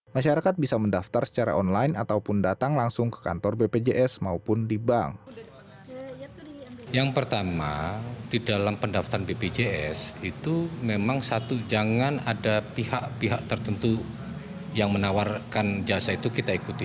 masyarakat bisa mendaftar secara online ataupun datang langsung ke kantor bpjs maupun di bank